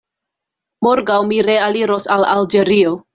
Morgaŭ mi realiros al Alĝerio.